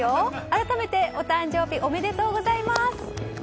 改めて、お誕生日おめでとうございます！